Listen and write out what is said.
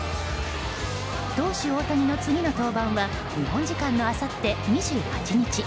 投手・大谷の次の登板は日本時間のあさって２８日。